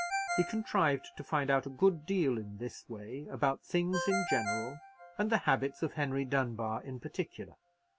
He contrived to find out a good deal in this way about things in general, and the habits of Henry Dunbar in particular.